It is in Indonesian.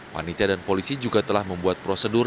panitia dan polisi juga telah membuat prosedur